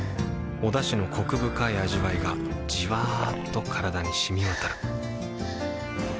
おだしのコク深い味わいがじわっと体に染み渡るはぁ。